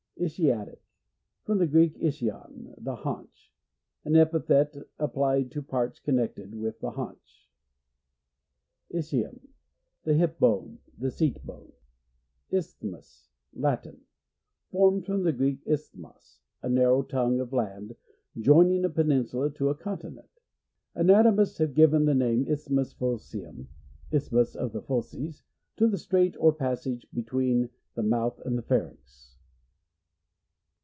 Ischiatic. — From the Greek, ischion, the haunch. An epithet applied to parte connected with the haunch. Ischium. — The hip bone — the seat bone. Isthmus. — Latin. Formed from the Greek, isthmos, a narrow tongue of land, joining a peninsula to a con tinent. Anatomists have given the name isthmus faucium, isthmus o' the fauces, to the strait or passage between the mouth and pharynx.